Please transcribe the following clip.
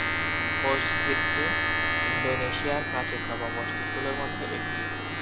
মসজিদটি ইন্দোনেশিয়ার প্রাচীনতম মসজিদগুলির মধ্যে একটি।